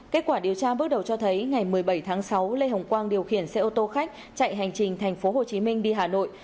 kết quả điều tra bước đầu cho thấy ngày một mươi bảy tháng sáu lê hồng quang điều khiển xe ô tô khách chạy hành trình thành phố hồ chí minh đi hà nội